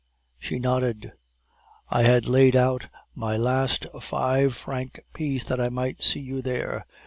"She nodded. "'I had laid out my last five franc piece that I might see you there.